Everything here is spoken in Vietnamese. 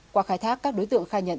qua khai thác các đối tượng khai nhận